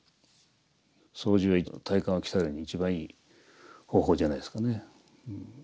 掃除は体幹を鍛えるのに一番いい方法じゃないですかね。